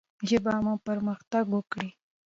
ژبه مو پرمختګ وکړي.